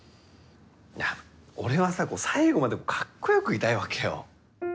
いや俺はさ、こう最後までかっこよくいたいわけよ。